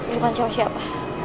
dekat sama siapa